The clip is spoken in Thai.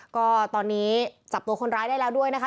ก็ตอนนี้จับตัวคนร้ายได้แล้วด้วยนะคะ